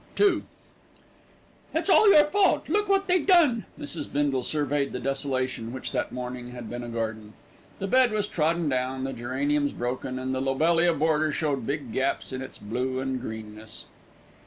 II "It's all your fault. Look wot they done." Mrs. Bindle surveyed the desolation which, that morning, had been a garden. The bed was trodden down, the geraniums broken, and the lobelia border showed big gaps in its blue and greenness.